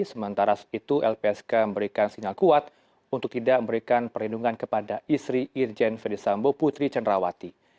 sementara itu lpsk memberikan sinyal kuat untuk tidak memberikan perlindungan kepada istri irjen ferdisambo putri cenrawati